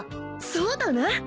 そうだな。